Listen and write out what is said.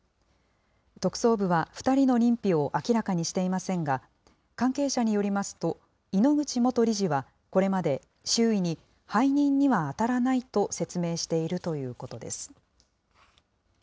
特捜部は２人の認否を明らかにしていませんが、関係者によりますと、井ノ口元理事はこれまで、周囲に背任には当たらないと説明しているということです。